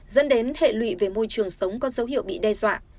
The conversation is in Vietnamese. dẫn đến hệ lụy về môi trường sống có dấu hiệu bị đe dọa